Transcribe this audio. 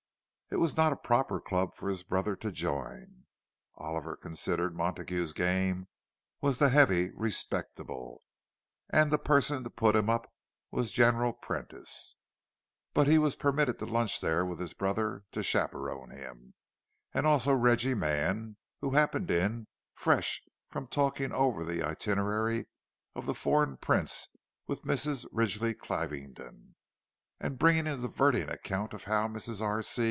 It was not a proper club for his brother to join, Oliver considered; Montague's "game" was the heavy respectable, and the person to put him up was General Prentice. But he was permitted to lunch there with his brother to chaperon him—and also Reggie Mann, who happened in, fresh from talking over the itinerary of the foreign prince with Mrs. Ridgley Clieveden, and bringing a diverting account of how Mrs. R.